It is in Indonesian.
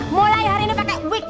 mulai hari ini pakai week